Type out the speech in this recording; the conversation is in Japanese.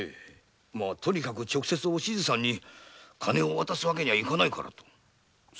とにかく直接お静さんに金を渡すわけにはいかないからと。